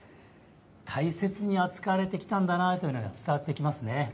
大切に扱われてきたんだなというのが伝わってきますね。